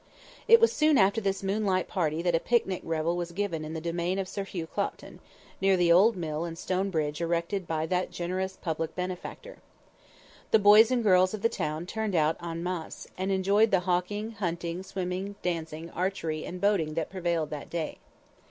It was soon after this moonlight party that a picnic revel was given in the domain of Sir Hugh Clopton, near the old mill and stone bridge erected by that generous public benefactor. The boys and girls of the town turned out en masse, and enjoyed the hawking, hunting, swimming, dancing, archery and boating that prevailed that day.